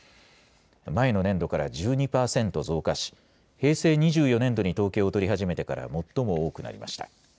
前の年度から１２％増加し、平成２４年度に統計を取り始めてから、最も多くなりました。